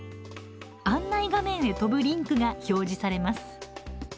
案内画面へ飛ぶリンクが表示されます。